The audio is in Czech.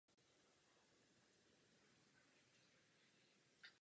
K tomu je potřeba odvaha.